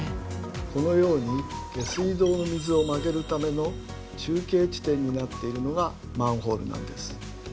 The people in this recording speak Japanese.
このように下水道の水を曲げるための中継地点になっているのがマンホールなんです。